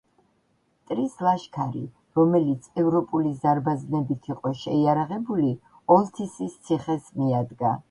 მტრის ლაშქარი, რომელიც ევროპული ზარბაზნებით იყო შეიარაღებული, ოლთისის ციხეს მიადგა.